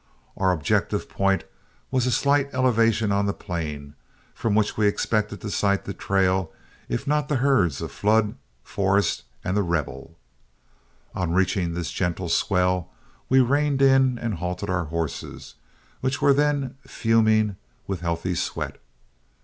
Our objective point was a slight elevation on the plain, from which we expected to sight the trail if not the herds of Flood, Forrest, and The Rebel. On reaching this gentle swell, we reined in and halted our horses, which were then fuming with healthy sweat.